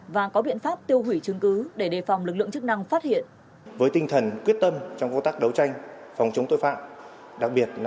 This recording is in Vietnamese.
và có biện pháp tiêu hủy chứng cứ để đề phòng lực lượng chức năng phát hiện